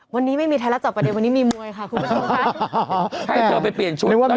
วันนี้ไม่มีไทรัทจอกประเด็นวันนี้มีมวยค่ะคุณผู้ชมครับ